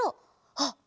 あっ！